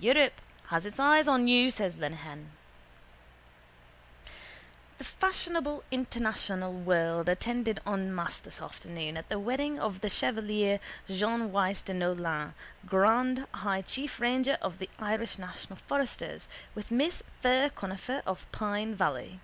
—Europe has its eyes on you, says Lenehan. The fashionable international world attended en masse this afternoon at the wedding of the chevalier Jean Wyse de Neaulan, grand high chief ranger of the Irish National Foresters, with Miss Fir Conifer of Pine Valley.